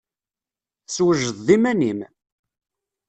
Teswejdeḍ iman-im?